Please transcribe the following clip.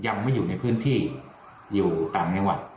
ยังไม่อยู่ในพื้นที่อยู่ต่างจังหวัด